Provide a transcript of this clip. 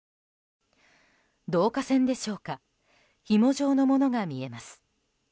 導火線でしょうかひも状のものが見えます。